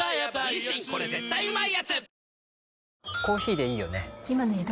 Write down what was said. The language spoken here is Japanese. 「日清これ絶対うまいやつ」